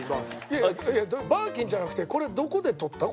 いやいやバーキンじゃなくてこれどこで撮った？